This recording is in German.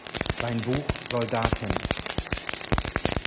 Sein Buch "Soldaten.